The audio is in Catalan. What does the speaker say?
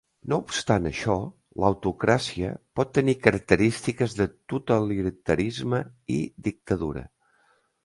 No obstant això, l'autocràcia pot tenir característiques de totalitarisme i dictadura.